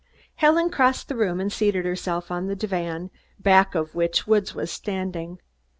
Helen crossed the room and seated herself on the divan, back of which Woods was standing.